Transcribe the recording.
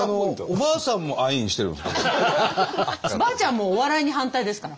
ばあちゃんはもうお笑いに反対ですから。